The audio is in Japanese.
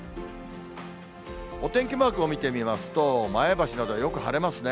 お天気マークを見てみますと、前橋などはよく晴れますね。